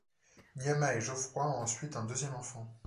Niama et Geoffroy ont ensuite un deuxième enfant.